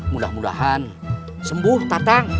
mudah mudahan sembuh tatang